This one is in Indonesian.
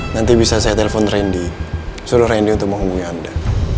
nanti bisa saya telepon randy seluruh randy untuk menghubungi anda